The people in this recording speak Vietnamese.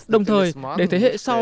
đồng thời để thế hệ sau